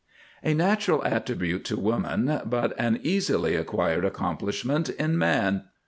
A natural attribute to woman, but an easily acquired accomplishment in man.